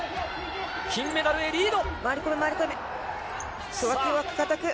金メダルへリード。